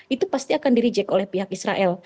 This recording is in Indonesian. itu pasti akan dirijek oleh pihak israel